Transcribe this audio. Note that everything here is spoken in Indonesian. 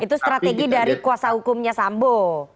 itu strategi dari kuasa hukumnya sambo